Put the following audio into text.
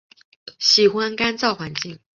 喜欢干燥环境。